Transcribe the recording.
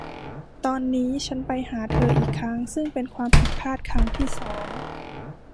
ตอนนี้ฉันไปหาเธออีกครั้งซึ่งเป็นความผิดพลาดครั้งที่สอง